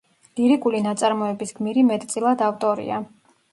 ლირიკული ნაწარმოების გმირი მეტწილად ავტორია.